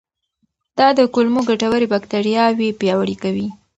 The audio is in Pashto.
دا د کولمو ګټورې باکتریاوې پیاوړې کوي.